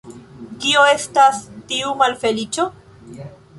Kio estas tiu malfeliĉo?